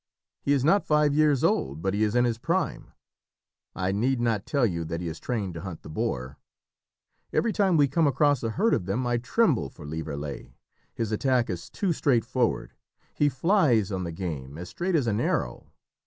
He is not five years old, but he is in his prime. I need not tell you that he is trained to hunt the boar. Every time we come across a herd of them I tremble for Lieverlé; his attack is too straightforward, he flies on the game as straight as an arrow.